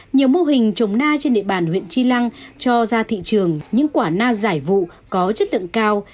nhiều mô hình trồng na trên địa bàn huyện tri lăng cho ra thị trường những quả na giải vụ có chất lượng cao